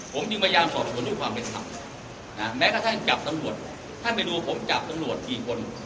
ผมจึงพยายามสอบสวนด้วยความเป็นธรรมแม้กระทั่งจับตำรวจท่านไปดูผมจับตำรวจกี่คน